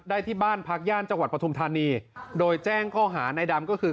ที่บ้านพักย่านจังหวัดปฐุมธานีโดยแจ้งข้อหาในดำก็คือ